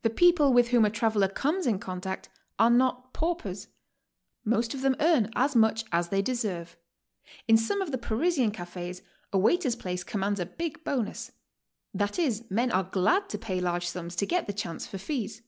The people with whom a traveler co mes in contact are not paupers. Most of them earn as much as they deserve. In some of the Parisian cafes a waiter's place commands a big bonus; that is, men are glad to pay large sums to get the chance for fees.